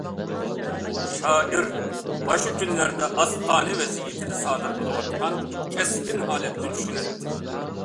شائىر ئاشۇ كۈنلەردە ئاستانە ۋەزىيىتىدە سادىر بولۇۋاتقان كەسكىن ھالەتنى چۈشىنەتتى.